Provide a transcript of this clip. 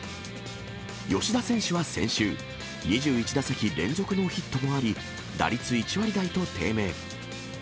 吉田選手は先週、２１打席連続ノーヒットもあり、打率１割台と低迷。